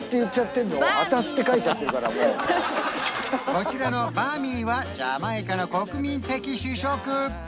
こちらのバミーはジャマイカの国民的主食！